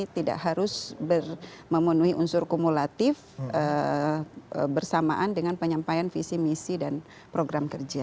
tidak harus memenuhi unsur kumulatif bersamaan dengan penyampaian visi misi dan program kerja